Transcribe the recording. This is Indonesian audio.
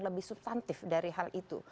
lebih substantif dari hal itu